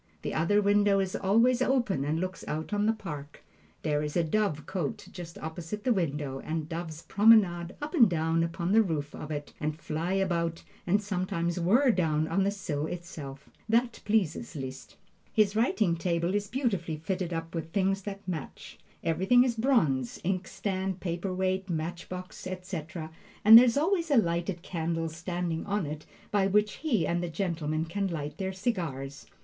The other window is always open and looks out on the park. There is a dovecote just opposite the window, and doves promenade up and down upon the roof of it, and fly about, and sometimes whirr down on the sill itself. That pleases Liszt. His writing table is beautifully fitted up with things that match. Everything is in bronze inkstand, paper weight, match box, etc. and there is always a lighted candle standing on it by which he and the gentlemen can light their cigars.